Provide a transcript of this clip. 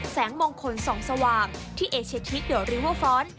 แสงมงคลส่องสว่างที่เอเชคลิกเดอริเวอร์ฟอนด์